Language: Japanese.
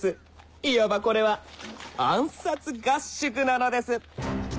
いわばこれは「暗殺合宿」なのです